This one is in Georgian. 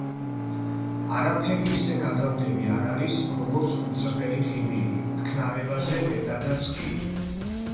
არაფერი ისე გადამდები არ არის, როგორც გულწრფელი ღიმილი, მთქნარებაზე მეტადაც კი...